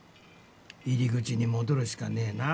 入り口に戻るしかねえな。